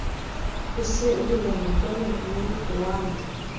ese uriya mugore ni uwa nde